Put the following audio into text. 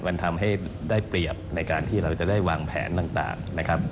มันทำให้ได้เปรียบในการที่เราจะได้วางแผนต่างนะครับ